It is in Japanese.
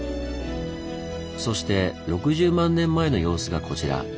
そして６０万年前の様子がこちら。